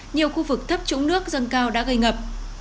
nhiều khu vực thấp trũng nước dâng cao đã gây ngập